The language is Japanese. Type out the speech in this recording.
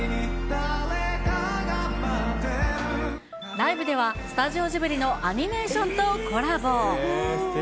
ライブでは、スタジオジブリのアニメーションとコラボ。